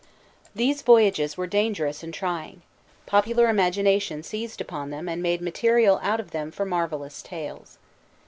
These voyages were dangerous and trying: popular imagination seized upon them and made material out of them for marvellous tales.